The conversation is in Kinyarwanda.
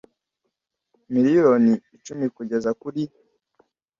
Miliyoni icumi kugeza kuri